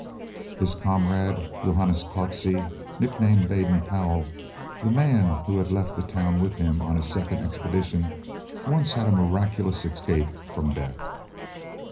His comrade, Johannes Coetzee, nicknamed Baden Powell, the man who had left the town with him on his second expedition, once had a miraculous escape from death.